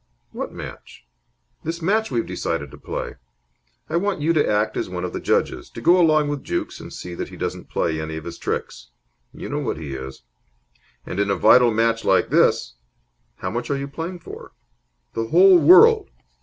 "What match?" "This match we've decided to play. I want you to act as one of the judges, to go along with Jukes and see that he doesn't play any of his tricks. You know what he is! And in a vital match like this " "How much are you playing for?" "The whole world!"